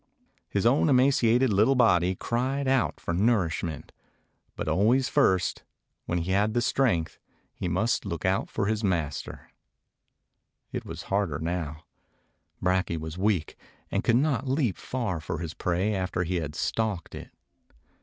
His own emaciated little body cried out for nourishment. But always first, while he had the strength, he must look out for his master. It was harder now. Brakje was weak and could not leap far for his prey after he had stalked it.